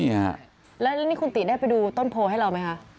นี่ฮะแล้วนี่คุณติได้ไปดูต้นโพลให้เราไหมคะ